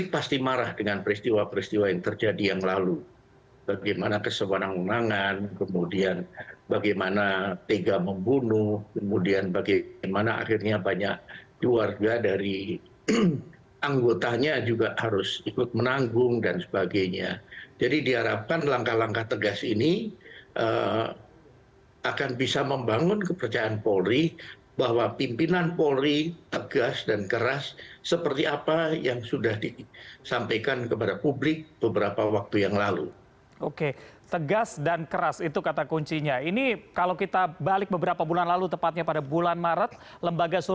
masyarakat tentunya akan mengapresiasi dan akan semakin percaya pada polri ketika masyarakat menyiaksikan perilaku